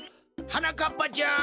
はなかっぱちゃん